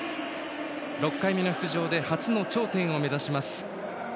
６回目の出場で初の頂点を目指します。